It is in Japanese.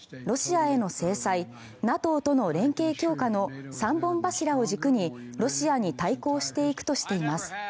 ロシアへの制裁ＮＡＴＯとの連携強化の三本柱を軸にロシアに対抗していくとしています。